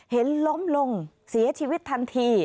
เห็นล้มลงเสียชีวิตทันที